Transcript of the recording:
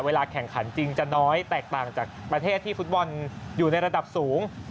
เวลาแข่งขันจริงจะน้อยแตกต่างจากประเทศที่ฟุตบอลอยู่ในระดับสูง